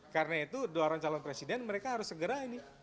karena itu dua orang calon presiden mereka harus segera ini